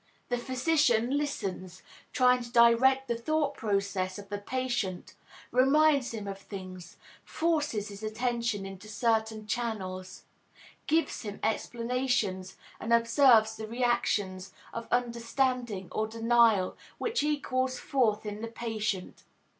The physician listens, tries to direct the thought processes of the patient, reminds him of things, forces his attention into certain channels, gives him explanations and observes the reactions of understanding or denial which he calls forth in the patient.